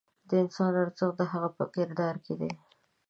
د انسان ارزښت د هغه په کردار کې دی.